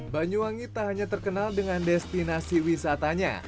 banyuwangi tak hanya terkenal dengan destinasi wisatanya